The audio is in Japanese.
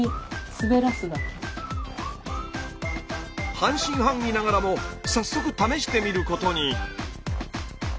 半信半疑ながらも早速試してみることに。